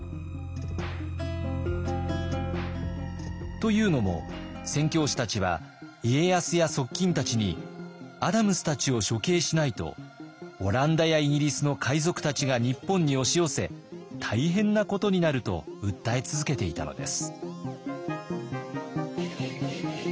というのも宣教師たちは家康や側近たちに「アダムスたちを処刑しないとオランダやイギリスの海賊たちが日本に押し寄せ大変なことになる」と訴え続けていたのです。